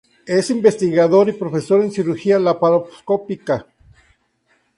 Es investigador y profesor en cirugía laparoscópica.